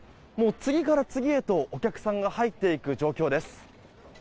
次から次へとお客さんが入っていく状況です。